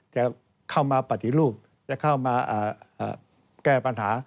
จะเข้ามาปฏิรูปจะเข้ามาแก้ปัญหา